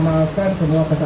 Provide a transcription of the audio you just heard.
terus k outras